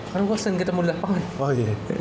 kan gue sering ketemu di lapangan